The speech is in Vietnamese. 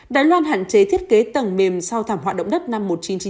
đài loan hạn chế thiết kế tầng mềm sau thảm họa động đất năm một nghìn chín trăm chín mươi